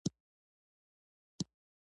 همدې چارې ته مخکې له مخکې قضاوت وایي.